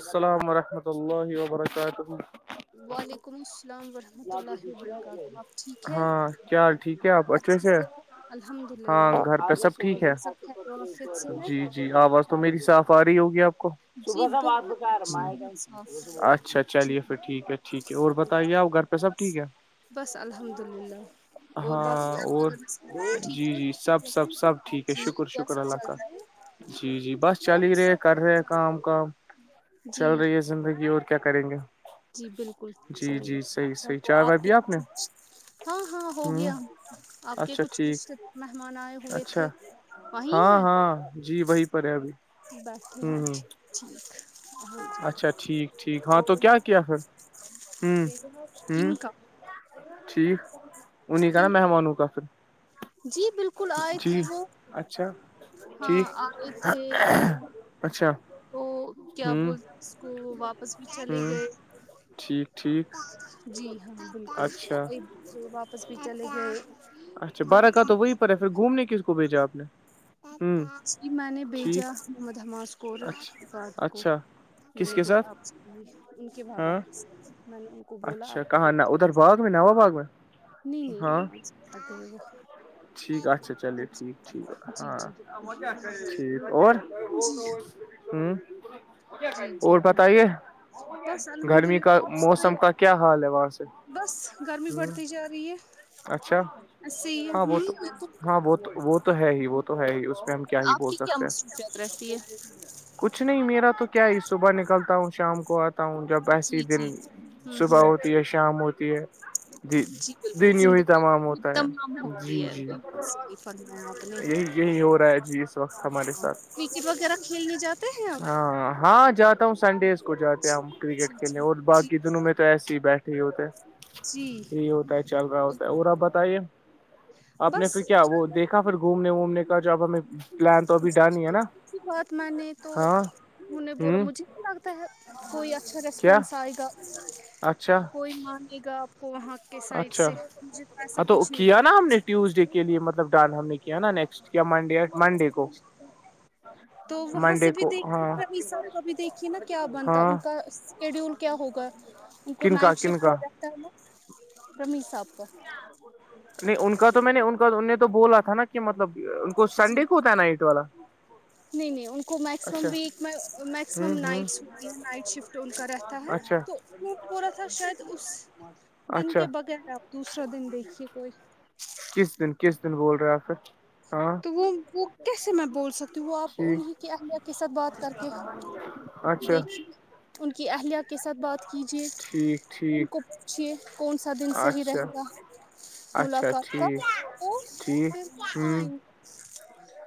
السلام ورحمۃ اللہ وبرکاتہ وعلیکم السلام ورحمۃ اللہ وبرکاتہ آپ ٹھیک ہے ہاں کیا ٹھیک ہے آپ اچھے سے الحمد للہ ہاں گھر پہ سب ٹھیک ہے سب آافظ سے ہے جی جی آواز تو میری صاف آ رہی ہوگی آپ کو جی بہت اچھی بہت صاف اچھا جی چلیے پھر ٹھیک ہے ٹھیک ہے اور بالکل، بتائیے آپ گھر پہ سب ٹھیک بس ہے بس الحمد للہ اور بات ہاں آپ کے اور گھر میں سب ٹھیک جی ہے جی سب سب سب ٹھیک جی شکر شکر کیسا اللہ چل کا رہا ہے جی جی بس کیا چل ہی رہے کر رہے مصیبت؟ کام کام جی چل رہی ہے زندگی اور کیا کریں گے جی بالکل جی صحیح جی اچھا صحیح وہ چائے وائے آپ کے پیا نے ہاں ہاں ہو ہ گیا آپ کے اچھا کچھ ٹھیک رشتے مہمان آئے ہوئے اچھا تھے وہیں ہاں ہے ہاں جی وہی پر ہے ابھی بیٹھے ہوں ہیں ہوں ٹھیک ہاں اچھا ٹھیک ٹھیک ہاں اور تو کیا کیا پھر ہوں ہ کن کا ٹھیک ان نہیں کہنا کن مہمانوں کا پھر جی بالکل آئے تھے جی وہ اچھا ہاں ٹھیک آئے تھے اچھا تو کیا ہوں بول اس کو وہ واپس بھی چلے ہوں گئے ٹھیک ٹھیک جی ہاں بالکل اچھا ادھر واپس بھی چلے گئے اچھا بارہ بہت کا تو وہی پر ہے پھر گھومنے کس کو بھیجا آپ نے ہوں میں نے بھیجا ٹھیک محمد اچھا حماسکوراد کو اچھا میں کس نے کے ساتھ بولا آپ ان کے بھاباپ کے ساتھ میں نے ان کو بولا آپ ان کہ کو نہ ادھر باغ میں نوا باغ میں نہیں ہاں نہیں نہیں تکری ٹھیک اچھا چلیے ٹھیک ٹھیک جی ہاں جی بالکل ٹھیک اور جی ھمم جی جی اور بالکل بتائیے بس الحمد گرمی کا للہ آپ سنائیے موسم کا کیا حال ہے وہاں سے بس گرمی ہ بڑھتی جا رہی ہے اچھا ایسے ہی ہے ہاں وہ تو ہوں بالکل ہاں وہ تو وہ تو ہے ہی وہ تو ہے ہی اس میں ہم کیا ہی آپ بول کی کیا سکتے ہیں مصفیت رتی یہ کچھ نہیں میرا تو کیا ہی صبح نکلتا ہوں شام کو آ تا ہوں جب ایسے ہی جی دن جی ہوں صبح ہوں ہوتی ہے شام ہوتی ہے د جی بالکل دن یی زندگی تمام بھی ہوتا ہے تمام ہوتی جی ہے جی بالکل صحیح فرمایا آپ نے یہی یہی ہو رہا ہے جی اس وقت ہمارے ہاں ساتھ کرکٹ وغیرہ کھیلنے جاتے ہیں آپ ہاں ہاں ہاں جاتا ہوں سنڈیز کو جاتے ہیں ہم کرکٹ اچھا کے اچھا لیے اور جی باقی دونوں جی میں تو ایس ہی بیٹھ یہ ہوتا جی یہی ہوتا ہے چل رہا ہوتا ہے بالکل اور آپ بتائیے آپ نے بس پھر کیا چل وہ رہا دیکھا پھر گھومنے وومنے کا جو اب ہمیں پلان تو ابھی ڈن ہی ہے نا ی بات میں نے تو ہاں بولا ہوں مجھے نہیں لگتا ہے کوئی اچھا کیا رسپانس آئے گا اچھا کوئی مانے گا آپ کو وہاں کے سائڈ اچھا سے ہاں مجھے تو ایسا کچھ نہیں لگ کیا نا رہا ہم جی نے ٹیوزڈے کے لیے مطلب ڈان ہم نے کیا نا نیکسٹ یا منڈے منڈے کو تو وہاں سے منڈے بھی کو ہاں دیکھیے رو ساح کا بھی دیکھیے نا کیا بنتا ہے ہاں ان کا شیڈیول کیا ہوگا ان کو کن کا نائٹ کن شفٹ کا ہو جاتا ہے ن رمی صاحب کو نہیں ان کا تو میں نے ان کا ان نے تو بولا تھا نا کہ مطلب ان کو جی سنڈے کو ہوتا ہے نائٹ والا [inaudible] نہیں نہیں ان کو میکسیمم اچھا ویک میں ہوں میکسیمم ہوں نائٹس ہوتی ہے نائٹ شفٹ ان کا رہتا ہے اچھا تو کیوں ب رہا تھا شاید اس دن اچھا کے بغیر آپ دوسرا دن دیکھیے کوئی کس دن کس دن بول رہے پھر ہاں تو وہ وہ کیسے میں بول سکتی ہوں وہ آپ کو ٹھیک انہیں کی اہلیہ کے ساتھ بات کر کے اچھا دیکھیے ان کی اہلیہ کے ساتھ بات کیجے ٹھیک ٹھیک کو پوچھیے کون سا دن صحیح اچھا رہے گا اچھا ملاقات کا وہ ٹھیک ٹھیک پھر وہ ہ آئیں گے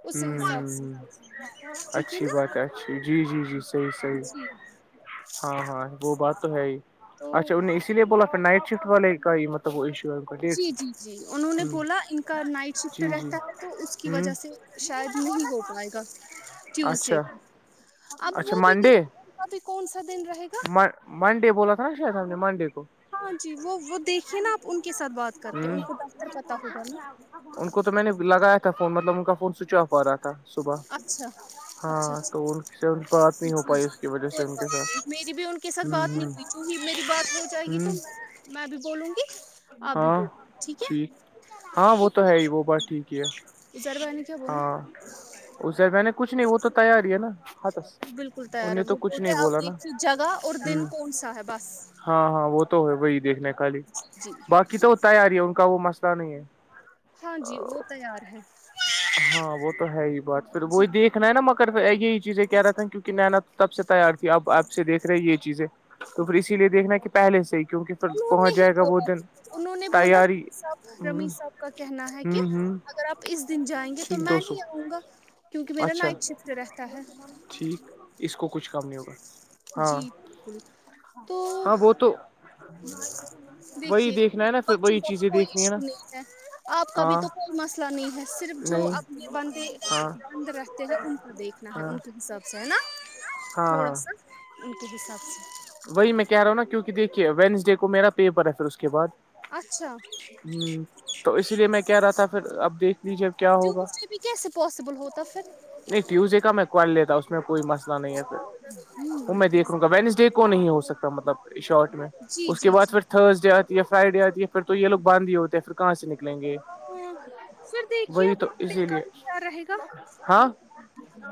اس حساب ہ سے ٹھیک ہے اچھی نا بات جی جی جی صحیح صحیح جی ہاں ہاں وہ بات تو ہے ہی تو اچھا ان اس بولا پھر نائٹ شفٹ والے کا ہی مطلب وہ ایشو ہے کا ڈیٹ جی جی سے جی انہوں نے بولا ان کا نائٹ شفٹ جی جی رہتا ہے تو اس کی ہ وجہ سے شاید نہیں ہو پائے گا ٹیوزڈے اچھا کو اب اچھا وہ بھی منڈے دیکھتے ابھی کون سا دن رہے گا منڈے بولا تھا نا شاید ہم نے منڈے کو ہاں جی وہ وہ دیکھیے نا آپ ان کے ساتھ بات کر کے ہ ان کو بہتر پتا ہوگا نا ان کو تو میں نے لگایا تھا فون مطلب ان کا فون سوئچ آف آا رہا تھا صبح اچھا اچھا ہاں اچھا تو ان سے بات جی نہیں ہو جی پائی اس کی وجہ سے کوئی بات ان کے ساتھ نہیں میری بھی ان کے ساتھ بات ہ نہیں ہوئی کیوںہ میری بات ہو جائے ہ گی ہ تو میں بھی بولوں گی آپ بھی ہاں بولو ہے ٹھیک ہاں وہ تو ہے ہی وہ بات ٹھیک ہی ہے اجار بھائی نے کیا بولا اسے میں نے کچھ نہیں وہ تو تیاری ہے نا ہاتس بالکل تیار ان ہے نے تو کچھ وہپٹ ہے نہیں آپ بولا نا دیکھیے جگہ اور دن ہ کون سا ہے بس ہاں ہاں وہ تو ہے وہی دیکھنے خی جی باقی تو وہ تیار ہی ہے ان کا وہ مسئلہ نہیں ہے ہاں جی وہ تیار ہے ہاں وہ تو ہے ہی بات پھر جی وہی دیکھنا ہے نا مگر یہی چیزیں کیا رہتا کیونکہ نینا تو تب سے تیار تھی اب آپ سے دیکھ رہے یہ چیزیں تو پھر اسی لیے دیکھنا کہ پہلے سے ہی کیونکہ پھر انہوں نے پہنچ ہی جائے گا وہ بولا دن انہوں نے بولا تیاری صاحب ہ رمی صاحب کا کہنا ہے کہ ہوں ہوں اگر آپ اس دن جائیں گے تو ٹھیک میں دو سو نہیں آؤں گا کیونکہ میرا اچھا نائٹ شفٹ رہتا ہے ٹھیک اس کو کچھ کم نہیں ہوگا جی ہاں بالکل تو ہاں وہ تو وہی دیکھیے دیکھنا ہے نا پھر بچی وہی کا چیزیں کوئی دیکھنی نا ایشو نہیں ہے آپ کا بھی ہاں تو کوئی مسئلہ نہیں ہے صرف جو نہیں اپنے بندے ہاں بند رہتے ہیں ان کو دیکھنا ہے ہاں ان کے حساب سے ہے نا ہاں تھوڑا ہاں سا [inaudible] وہی میں کہہ رہا ہوںا کیونکہ دیکھیے وینسڈے کو میرا پیپر ہے پھر اس کے بعد اچھا ہوں تو اسی لیے میں کیا رہا تھا پھر آپ دیکھ لیجیے کیا ہوگا ٹیسٹ بھی کیسے پاسبل ہوتا پھر نہیں ٹیوزڈے کا میں کال لیتا اس میں کوئی مسئلہ نہیں ہے پھر وہ میں ہوں دیکھ لوں گا وینسڈے نہیں ہو سکتا مطلب شارٹ میں جی اس کے جی بعد جی پھر تھرز ڈے آتے فرائیڈے آتی ہے پھر تو یہ لوگ باند ہی ہوتے ہیں پھر کہاں سے نکلیں گے ہاں پھر دیکھیے وہی آپ تو منڈے اسی کا لیے بھی کیا رہے گا ہاں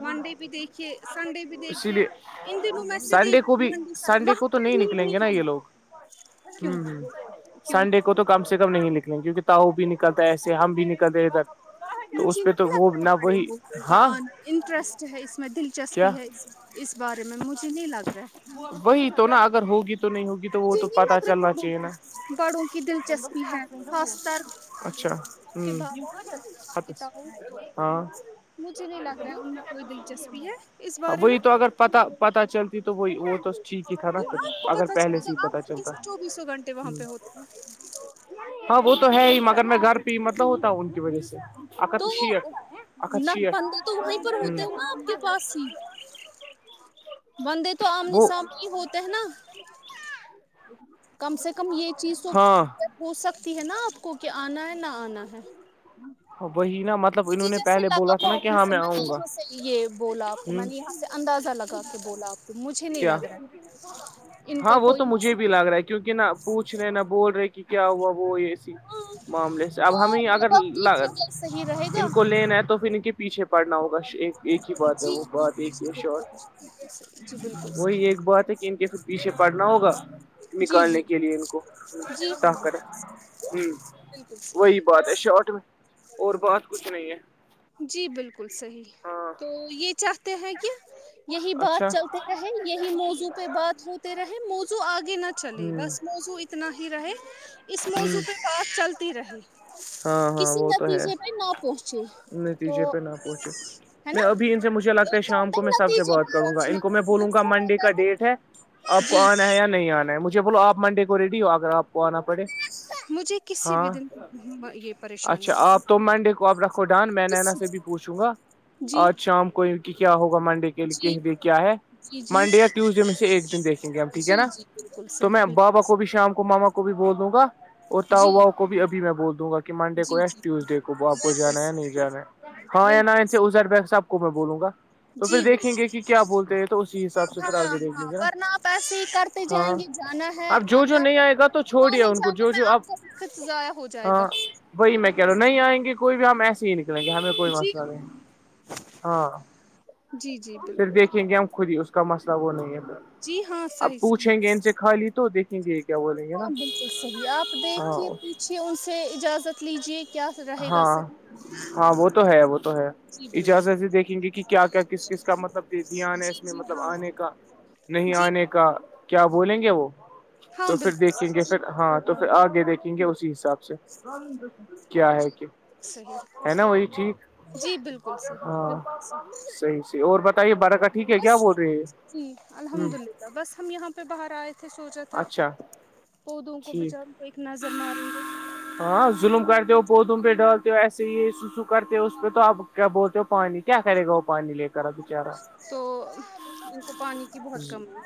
منڈے بھی دیکھیے سنڈے بھی اسی دیکھیے لیے ان دنوں میں سے سنڈے کو دیکھ بھی منڈے سنڈے کو وہاں تو پہ نہیں بھیڑ نکلیں گے نا یہ ہوگی لوگ کیوں ہ ہ کیوں سنڈے کو تو کم سے کم نہیں نکلیں کیونکہ تاؤ بھی نکلتا ہے ایسے ہم بھی نکل رہے ت مھے نہیں لگتا پڑے لوگوں کا ہاں آنا انٹرسٹ ہے اس میں کیا دلچسپی ہے اس بارے میں مجھے نہیں لگ رہا ہے وہی تو نا اگر ہوگی تو نہیں ہوگی تو تو وہ مجھے تو نہیں پتا لگ رہا چلنا بڑوں چی ن کا بڑوں کی دلچسپی ہے خاص طور اچھا آپ کے ہوں بابا آپ کے ہاتس تاؤ ہاں مجھے نہیں لگ رہا ان میں کوئی دلچسپی ہے اس بارے میں پتہ پتہ چلتی تو وہئی اوٹ ٹھیک ہی تھا نا وہ پھر آپ کو اگر پتہ پہلے چلے سے گا ہی پتا آپ ان کے چلتا ساتھ چوبیسوں گھنٹے وہاں پہ ہوتے ہیں ہاں وہ تو ہے ہی مگر میں گھر پہ ہی مطلب ہوتا ہوں ان کی وجہ سے تو اکت شیٹ اکت نہ شیٹ بندہ تو وہیں پر ہوتا ہے نا آپ کے پاس ہی بندے تو آمنے وہ سامنے ہی ہوتے ہیں نا کم سے کم یہ چیز تو ہاں ہو سکتی ہے نا آپ کو کہ آنا ہے نہ آنا ہے [inaudible] وہی نا مطلب اس انہوں نے جیس پہلے بولا لگف تھا نا کہ ہاں سے میں نے آؤں گا یہاں سے یہ بولا آپ ہ میں نے یہاں سے اندازہ لگا کے بولا آپ کو مجھے نہیں کیا لگ رہا ہے ان ہاں کا وہ کوئی تو مجھے مسئلہ بھی لگ رہا ہے کہ کیونکہ نہ پوچھ رہے نہ بول رہے کہ کیا ہوا وہ اسی ہاں معاملے سے تو اب ہمیں اگر اب آپ ل دیکھیے کیا صحیح رہے ان گا کو لینا ہے تو پھر ان کے پیچھے پڑنا ہوگا ایک ایک ہی بات ہے جی وہ ہاں بات ایک جی ہی ہے بالکل شارٹ جی بالکل صحیح جی بالکل وہی صحیح, ایک بات ہے کہ ان کے پھر پیچھے پڑنا ہوگا جی جی نکالنے کے لیے ان کو جی طح ہاں کریں بالکل ہ بالکل صحیح وہی بات ہے شارٹ میں اور بات کچھ نہیں ہے جی بالکل صحیح ہاں تو یہ چاہتے ہیں کہ یہی بات اچھا چلتے رہے یہی موضو پہ بات ہوتے رہے موزو آگے نہ چلے ہ بس موضو اتنا ہی رہے اس موضع ہ پہ بات چلتی رہی ہاں ہاں کسی وہ تو ہے نتیجے میں نہ پہنچے تو نتیجے پہ نہ پہنچے ہے میں نا ابھی ان سے مجھے لگتا ہے ایک تو شام ہوتا کو میں سب سے نتیجے بات پہ کروں گا ان پہنچنا کو میں بولوں گا دوسرا منڈے ہوتا کا ڈیٹ ہے ہے آپ کو آنا ہے یا نہیں آنا ہے مجھے بولو آپ منڈے کو ریڈی ہو آ کر آپ کو آنا پڑے مجھے کسی بھی ہاں دن یہ پریشانی اچھا آپ ہے تو منڈے کو اب رکھو ڈان میں نینا سے بھی پوچھوں گا جی جی آج شام کو کہ کیا ہوگا منڈے کے لیے جی کہے کیا ہے جی منڈے یا ٹیوزڈے میں سے ایک دن دیکھیں گے ہم ٹھیک ہے جی نا جی بالکل تو صحیح میں بالکل بابا کو بھی شام کو ماما کو کو بھی بول دوں گا اور تاؤ جی واؤ کو بھی ابھی بھی میں بول دوں گا کہ منڈے کو جی یا جی بالکل ٹیوزڈے کو آپس جانا یا نہیں جانا ہے ہاں یہ بالکل ن سے ازر ب سب کو میں بولوں گا تو پھر جی ب دیکھیں گے کہ کیا بولتے ہیں تو اسی حساب سے ہاں پھر آگے دیکھ ہاں لیں گے نا ورنہپ ایسے ہی کر جائیں ہاں گے جانا ہے اب جو جو آنا نہیں ہے آئے گا تو چھوڑیے آنے ان کو جانے جو میں جو اب آپ کا سقت ضائع ہوتا ہاں وہی میں کہہ لو نہیں آئ گے کوئی بھی ہم ایسے ہی نکلیں گے کوئی جی مسئلہ ہاں نہیں ہاں جی جی پھر بالکل دیکھیں گے ہم خود ہی اس کا مسئلہ وہ نہیں ہے جی ہاں اب صحیح پوچھیں صحیح گے ان سے خالی تو دیکھیں گے یہ کیا وہ نہیں ہاں بالکل صحیح ہے آپ دیکھھیے پوچھیے ان سے اجازت لیجیے کہ ہاں ہاں وہ تو ہے وہ تو ہے جی بالکل اجازت دیکھیں گے کہ کیا کیا کس کس کا مطلب دھیان ہے جی اس میں جی مطلب ہاں آنے کا نہیں جی آنے کا کیا بولیں گے وہ ہاں تو پھر بالکل دیکھیں گے پھر صحیح ہاں تو پھر آگے دیکھیں گے اسی حساب سے کیا ہے کہ صیح ہے نا وہی ٹھیک جی بالکل صحیح ہاں بالکلحیح صحیح صحیح اور بتائیے برکہ ٹھیک ہے بس کیا بول رہی جی ہے ہ الحمد اللہ بس ہم یہاں پہ باہر آئے تھ سوچا تھا اچھا پودوں کو بچا ٹھیک کے ایک نظر ماریں گے ہاں ظلم کرتے ہو پودوں پہ ڈالتے ہو ایسے ہی س کرتے ہو اس پہ تو اب کیا بولتے ہو پانی کیا کرے گا پانی لے کر بچارا تو ان کو پانی کی بہت کم ہے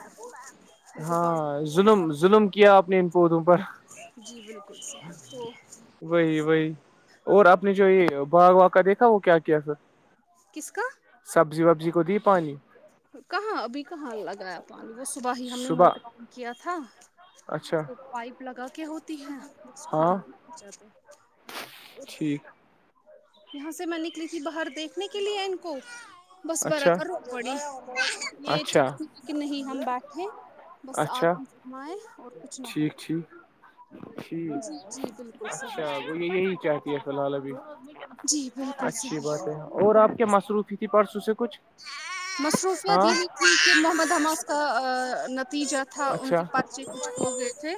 ان کو پا ہاں ظلم ظلم کیا آپ نے ان پودوں پر جی بالکل صحیح تو وہی وہی اور آپ نے جو یہ بھاگ واگ کا دیکھا وہ کیا کیا سر کس کا سبزی وبزی کوتی پانی کہاں ابھی کہاں لگایا پانی وہ صبح ہی ہم نے صبح موٹر بھی کیا تھا اچھا تو پائپ لگا کے ہوتی ہے ب خود ہاں ہی جاتے ٹھیک یہاں سے میں نکلی تھی باہر دیکھنے کے لیے ان کو بس برا اچھا کر رو پڑی یہ اچھا چاہتی ہے کہ نہیں ہم بیٹھے بس اچھا آرام سے کمائیں اور کچھ نہ ہو ٹھیک ٹھیک جی ٹھیک جی بالکل اچھا صحیح وہ یہ یہی چاہتی ہے فی الحال ابھی جی بالکل اچھی صحیح بات ہے اور آپ کے مصروفی تھی پرسوں سے کچھ مصروفیت ہاں یہ تھی کہ محمد حماس کا نتیجہ تھا ان اچھا کے پاچے کچھ ہو گئے تھے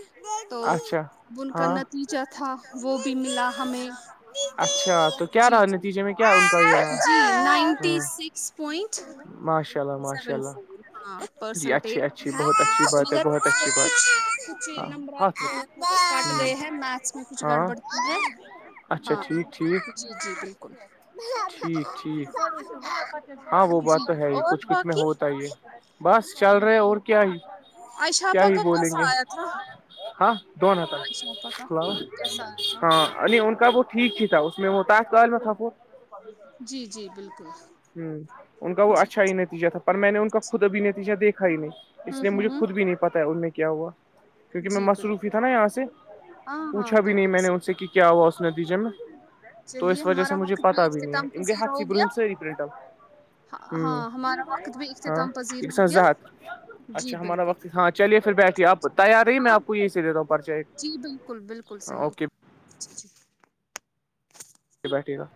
تو اچھا اب ان کا ہاں نتیجہ تھا وہ بھی ملا ہمیں ی اچھا تو کیا جی جی رہا ج نتیجے میں کیا ان کا یہ رہا نائنٹی سکس پوائنٹ باش سیون فور ہاں پرسنٹی اچھی اچھی بہت اچھی بات ہے مگر بہت اچھی بات ہاں نمبرات ہاتھ کچ کٹ ہ گئے ہیں میتھس میں کچھ ہاں گڑبڑتی ہے اچھا ہاں ٹھیک ٹھیک جی جی بالکل ٹھیک ٹھیک ہاں وہ بات جی تو ہے ہی اور کچھ کچھ میں باقی ہوتا ہی یہ بس چل رہے اور کیا ہی کیا عائشاپا ہی کا بولیں کیسا گے آیا تھا ہاں دون ہزار عائشاپا کا کیسا اللا آیا تھا ہاں ان کا وہ ٹھیک ہی تھا اس میں وہ تاج کال میں تھا وہ جی جی بالکل ہ ان کا وہ جی اچھا ہی نتیجہ تھا پر میں نے ان کا خود ابھی نتیجہ دیکھا ہی نہیں اس ہوں لیے مجھے ہوں خود بھی نہیں پتا ان میں کیا ہوا کیونکہ میں جی بالکل مصروف ہی تھا نا یہاں سے ہاں ہاں پوچھا بھی نہیں بالکل میں نے ان سے کہ کیا وہا اس نتیجے میں تو چلیے اس وجہ سے ہمارا مجھے وقت بھی پتا نہیں ہے اختتام ان کے پزیرہ ہاتھ ہو سے گیا برہم سری پرنٹ ہ ہوں ہاں ہمارا وقت بھی ہاں اختتام پذیر ایک ہو سا گیا زحت جی اچھا ہمارا بالکل وقت ہاں چلیے پھر بیٹھیے آپ تیار رہیے میں ہاں آپ کو یہی سے دیتا ہوں پرچہ ایک جی بالکل بالکل بالکل صحیح اوکے اچا اچھا بیٹھے گا